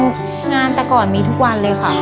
งานแต่ก่อนมีทุกวันเลยค่ะ